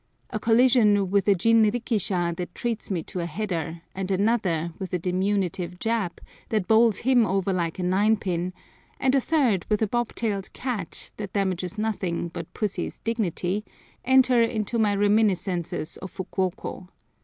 A collision with a jinrikisha that treats me to a header, and another with a diminutive Jap, that bowls him over like a ninepin, and a third with a bobtailed cat, that damages nothing but pussy's dignity, enter into my reminiscences of Fukuoko.